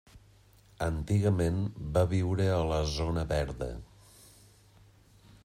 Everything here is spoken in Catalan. Antigament va viure a la zona verda.